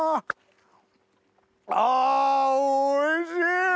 あおいしい！